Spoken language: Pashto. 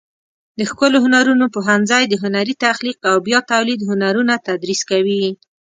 د ښکلو هنرونو پوهنځی د هنري تخلیق او بیا تولید هنرونه تدریس کوي.